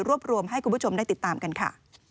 รวบรวมให้คุณผู้ชมได้ติดตามกันค่ะ